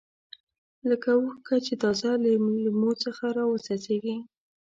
لکه اوښکه چې تازه له لیمو څخه راوڅڅېږي.